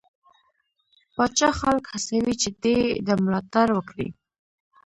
پاچا خلک هڅوي چې دې ده ملاتړ وکړي.